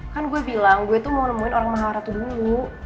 kan gue bilang gue tuh mau nemuin orang maha ratu dulu